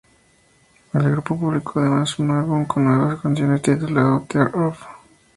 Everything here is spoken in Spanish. El grupo publicó además un álbum con nuevas canciones titulado "Tear Off!